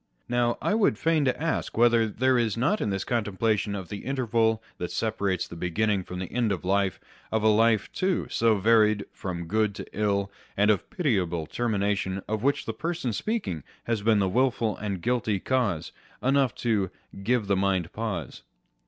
Now, I would fain ask whether there is not in this contemplation of the interval that separates the beginning from the end of life, of a life, too, so varied from good to ill, and of the pitiable termination of which the person speaking has been the wilful and guilty cause, enough to H give the mind pause